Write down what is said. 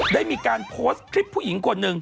ได้มีการโพสต์คลิปผู้หญิงคนหนึ่ง